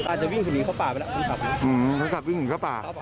กดตารีบก้ายนกออกมาอิสงสัมมนตร์